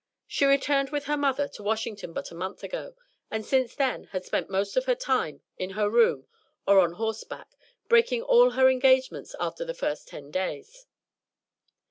She had returned with her mother to Washington but a month ago, and since then had spent most of her time in her room or on horseback, breaking all her engagements after the first ten days.